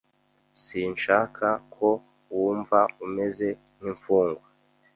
Sinshaka ko wumva umeze nk'imfungwa.